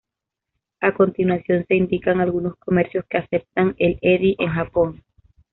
A continuación se indican algunos comercios que aceptan el Edy en Japón.